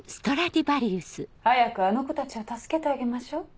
早くあの子たちを助けてあげましょ。